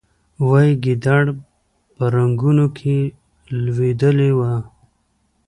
وایي ګیدړ په رنګونو کې لوېدلی و.